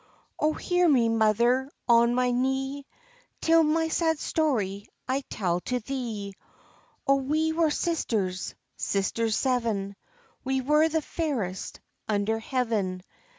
"O hear me, mother, on my knee, Till my sad story I tell to thee: O we were sisters, sisters seven, We were the fairest under heaven.